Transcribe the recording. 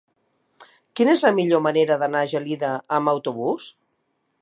Quina és la millor manera d'anar a Gelida amb autobús?